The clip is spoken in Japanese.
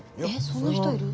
そんな人いる？